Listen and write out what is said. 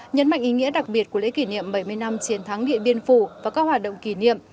nhấn mạnh ý nghĩa đặc biệt của lễ kỷ niệm bảy mươi năm chiến thắng điện biên phủ và các hoạt động kỷ niệm